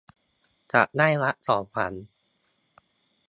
จะได้รับของขวัญ